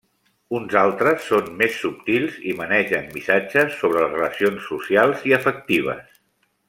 Uns altres són més subtils i manegen missatges sobre les relacions socials i afectives.